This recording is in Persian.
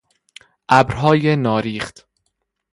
ابرهای ناریخت